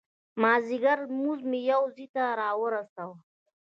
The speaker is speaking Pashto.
مازدیګر لمونځ مو یو ځای ته را ورساوه.